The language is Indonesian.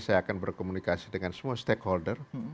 saya akan berkomunikasi dengan semua stakeholder